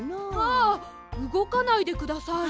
あうごかないでください。